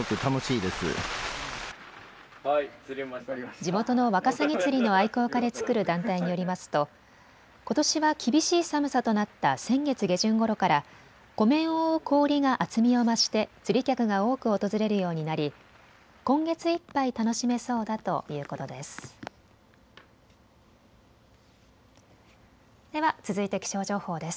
地元のワカサギ釣りの愛好家で作る団体によりますとことしは厳しい寒さとなった先月下旬ごろから湖面を覆う氷が厚みを増して釣り客が多く訪れるようになり今月いっぱい楽しめそうだということです。